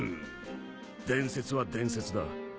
伝説は伝説だ。